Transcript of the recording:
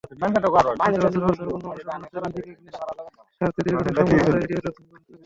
কাঁধের অস্ত্রোপচার, পুনর্বাসন, অনুশীলন নির্বিঘ্নে সারতে দীর্ঘদিন সংবাদমাধ্যম এড়িয়ে চলেছেন বাঁহাতি পেসার।